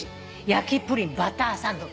焼きプリンバターサンド。